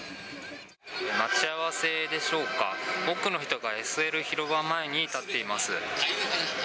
待ち合わせでしょうか、多くの人がＳＬ広場前に立っています。